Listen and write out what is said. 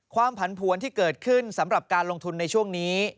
ผันผวนที่เกิดขึ้นสำหรับการลงทุนในช่วงนี้